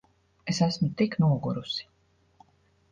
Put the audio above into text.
Es esmu tik nogurusi.